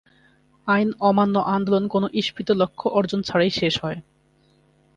আইন অমান্য আন্দোলন কোনো ইপ্সিত লক্ষ্য অর্জন ছাড়াই শেষ হয়।